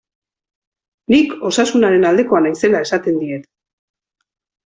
Nik Osasunaren aldekoa naizela esaten diet.